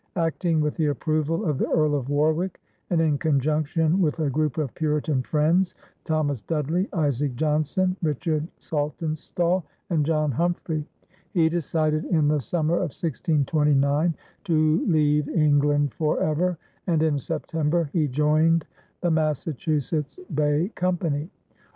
Acting with the approval of the Earl of Warwick and in conjunction with a group of Puritan friends Thomas Dudley, Isaac Johnson, Richard Saltonstall, and John Humphrey, he decided in the summer of 1629 to leave England forever, and in September he joined the Massachusetts Bay Company.